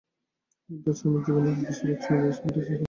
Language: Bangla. তিনি এবং তাঁর স্বামীর জীবনের বেশিরভাগ সময় নির্বাসনে কেটেছিল।